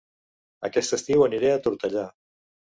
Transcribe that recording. Aquest estiu aniré a Tortellà